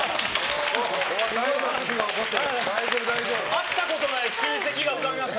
会ったことない親戚を拝みました。